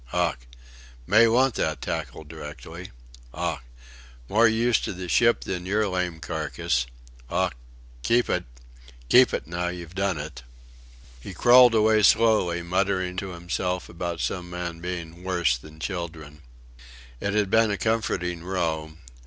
Ough! May want that tackle directly Ough! More use to the ship than your lame carcass. Ough! Keep it! Keep it, now you've done it." He crawled away slowly, muttering to himself about some men being "worse than children." It had been a comforting row.